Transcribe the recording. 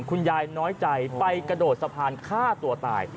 น้อยใจไปกระโดดสะพานฆ่าตัวตาย